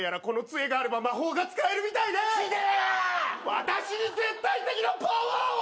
私に絶対的なパワーを！